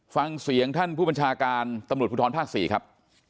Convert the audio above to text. ฟังเสียงท่านผู้บัญชาการตำรวจภูทรภาค๔ครับ